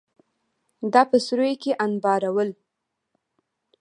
دا په سوریو کې انبارول.